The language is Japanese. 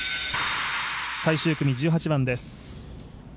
最終組１８番です。